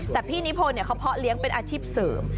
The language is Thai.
แต่พี่นิพนธ์เขาเพาะเลี้ยงเป็นอาชีพเสริม